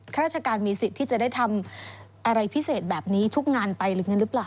ราชการมีสิทธิ์ที่จะได้ทำอะไรพิเศษแบบนี้ทุกงานไปหรืองั้นหรือเปล่า